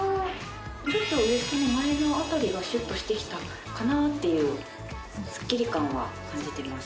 ちょっとウエストの前のあたりがシュッとしてきたかなっていうスッキリ感は感じてます